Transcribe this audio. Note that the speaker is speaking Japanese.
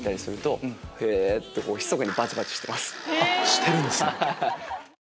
してるんですか！